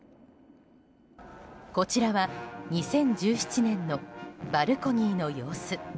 こちらは２０１７年のバルコニーの様子。